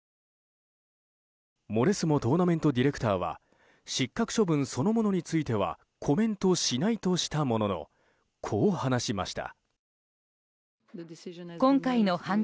モレスモトーナメントディレクターは失格処分そのものについてはコメントしないとしたもののこう話しました。